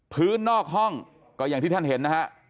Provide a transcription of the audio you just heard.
นอกห้องก็อย่างที่ท่านเห็นนะฮะ